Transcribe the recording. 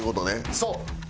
そう。